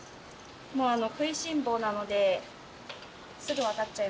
食いしん坊なのですぐ分かっちゃいます。